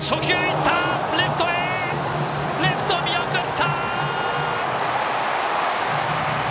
レフト、見送った！